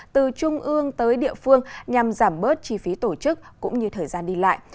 từ trung ương tới địa phương nhằm giảm bớt chi phí tổ chức cũng như thời gian đi lại